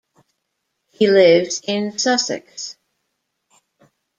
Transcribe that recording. He lives in Sussex.